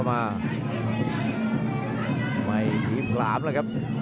ไม่ทิศน้ำแล้วครับ